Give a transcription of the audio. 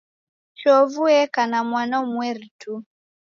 Chovu eka na mwana umweri tu.